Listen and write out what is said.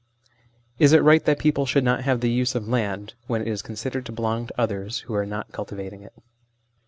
Is it right that people should not have the use of land when it is considered to belong to others who are not cultivating it